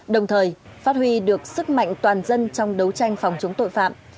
đồng thời phát huy được sức mạnh toàn dân trong đấu tranh phòng chống tội phạm